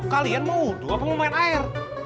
kalian mau wudhu apa mau main air